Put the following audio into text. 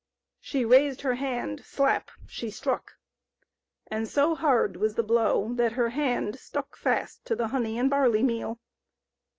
She raised her hand — slap! — she struck, and so hard was the blow that her hand stuck fast to the honey and barley meal.